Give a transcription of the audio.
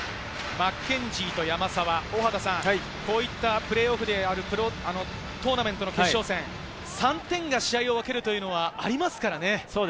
マッケンジーと山沢、プレーオフでトーナメントの決勝戦、３点が試合を分けるというのはありますからね。